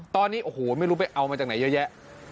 ตอนนี้โอ้โหไม่รู้ไปเอามาจากไหนเยอะแยะ